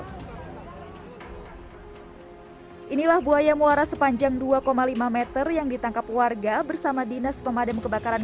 hai inilah buaya muara sepanjang dua lima meter yang ditangkap warga bersama dinas pemadam kebakaran